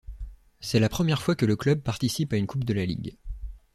C'est la première fois que le club participe à une Coupe de la Ligue.